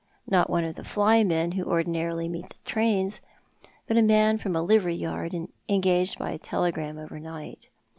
Not one of the flymen who ordinarily meet the trains, but a man from a livery yard, engaged by telegram overnight.